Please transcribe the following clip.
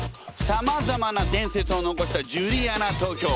さまざまな伝説を残したジュリアナ東京。